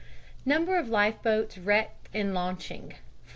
Number of life boats wrecked in launching, 4.